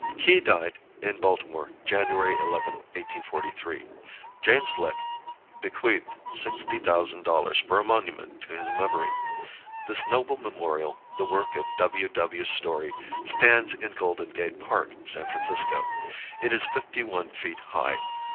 Key died in Baltimore, January 11, 1843. James Lick bequeathed sixty thousand dollars for a monument to his memory. This noble memorial, the work of W.W. Story, stands in Golden Gate Park, San Francisco. It is fifty one feet high.